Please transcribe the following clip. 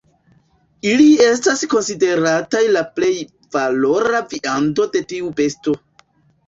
Ili estas konsiderataj la plej valora viando de tiu besto.